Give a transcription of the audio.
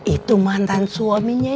itu mantan suaminya